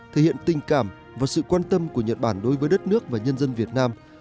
thể hiện tình cảm và sự quan tâm của nhật bản đối với đất nước và nhân dân việt nam